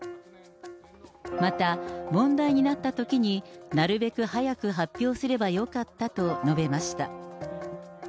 また問題となったときに、なるべく早く発表すればよかったと述べました。